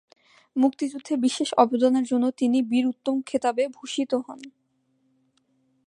মুক্তিযুদ্ধে বিশেষ অবদানের জন্য তিনি বীর উত্তম খেতাবে ভূষিত হন।